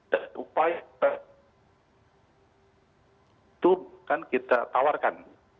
dan upaya itu kan kita tawarkan